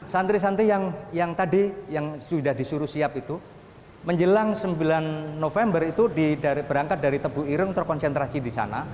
santri santri yang tadi yang sudah disuruh siap itu menjelang sembilan november itu berangkat dari tebu ireng terkonsentrasi di sana